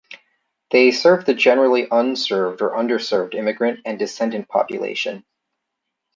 They serve the generally unserved or underserved immigrant and descendant population.